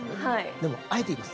でもあえて言います。